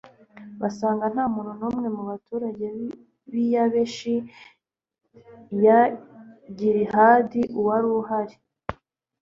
basanga nta muntu n'umwe mu baturage b'i yabeshi ya gilihadi wari uhari